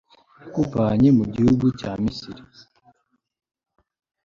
yakuvanye mu gihugu cya misiri